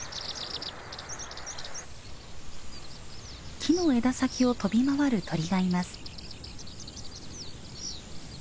木の枝先を飛び回る鳥がいます。